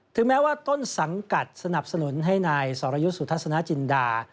แม้ว่าต้นสังกัดสนับสนุนให้นายสรยุทธ์สุทัศนจินดา